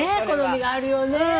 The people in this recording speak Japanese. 好みがあるよね。